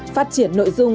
phát triển nội dung